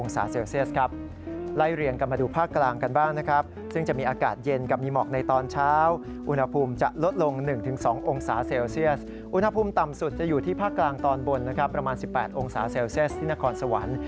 สูดจะอยู่ที่ภาคกลางตอนบนประมาณ๑๘องศาเซลเซียสที่นครสวรรค์